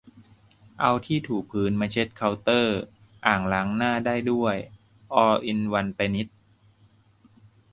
เอาที่ถูพื้นมาเช็ดเคาน์เตอร์อ่างล้างหน้าได้ด้วย ออลอินวันไปนิด